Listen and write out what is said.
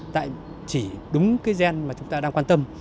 tại chỉ đúng cái gen mà chúng ta đang quan tâm